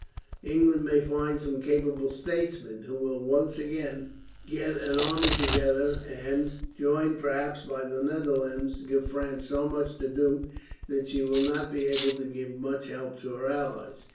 England may find some capable statesman, who will once again get an army together and, joined perhaps by the Netherlands, give France so much to do that she will not be able to give much help to her allies."